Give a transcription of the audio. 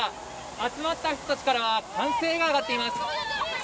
集まった人たちからは、歓声が上がっています。